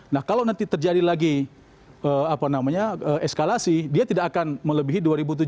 nah kalau nanti terjadi lagi eskalasi dia tidak akan melebihi dua ribu tujuh belas